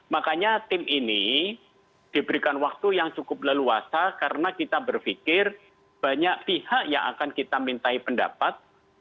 makanya tim ini diberikan waktu yang cukup leluasa karena kita berfikir banyak pihak yang akan kita mintai pendapat terkait dengan penyelesaian tugas